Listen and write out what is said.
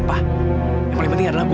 jadi ku makin musnah